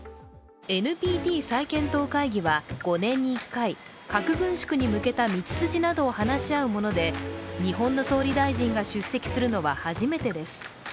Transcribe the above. ＮＰＴ再検討会議は５年に１回、核軍縮に向けた道筋などを話し合うもので日本の総理大臣が出席するのは初めてです。